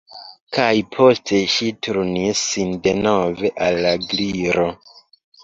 Kaj poste ŝi turnis sin denove al la Gliro.